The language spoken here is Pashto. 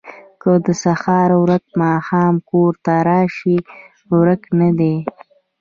ـ که د سهار ورک ماښام کور ته راشي ورک نه دی.